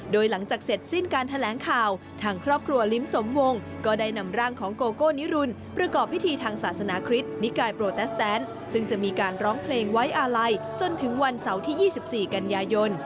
วันเสาร์ที่๒๔กันยายน